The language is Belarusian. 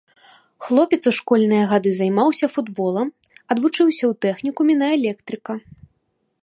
Хлопец у школьныя гады займаўся футболам, адвучыўся ў тэхнікуме на электрыка.